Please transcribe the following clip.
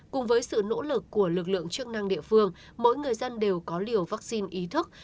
cùng với sự nỗ lực của lực lượng chức năng địa phương mỗi người dân đều có liều vaccine ý thức